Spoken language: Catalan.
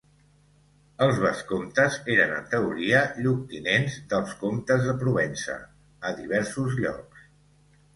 Els vescomtes eren en teoria lloctinents dels comtes de Provença a diversos llocs.